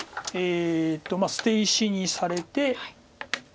捨て石にされて。